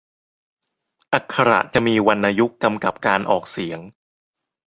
อักขระจะมีวรรณยุกต์กำกับการออกเสียง